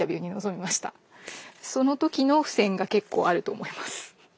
その時の付箋が結構あると思います。